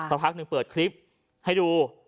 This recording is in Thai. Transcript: สักพักหนึ่งเปิดคลิปให้ดู